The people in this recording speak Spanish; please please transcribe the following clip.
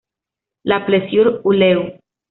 Le Plessier-Huleu